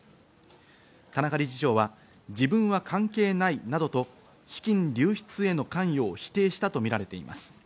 田中理事長は自分は関係ないなどと資金流出への関与を否定したとみられています。